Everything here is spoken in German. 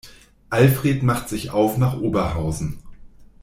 Alfred macht sich auf nach Oberhausen.